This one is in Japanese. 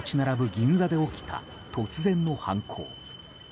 銀座で起きた突然の犯行。